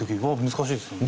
難しいですよね。